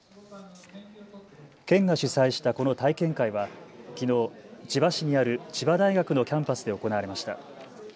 県が主催したこの体験会はきのう千葉市にある千葉大学のキャンパスで行われました。